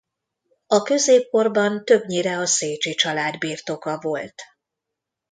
A középkorban többnyire a Szécsi család birtoka volt.